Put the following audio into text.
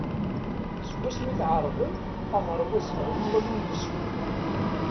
Seg wasmi i t-ɛerben, aɣerbaz-nneɣ yuɣal ur yeswi.